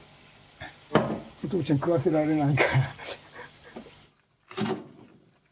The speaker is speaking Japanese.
お父ちゃん食わせられないから。